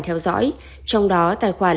theo dõi trong đó tài khoản